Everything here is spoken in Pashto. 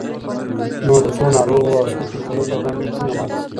نو د څو ناروغو او سپکو خولو پر وړاندې به څنګه ماته شي؟